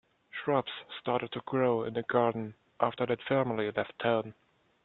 Shrubs started to grow in the garden after that family left town.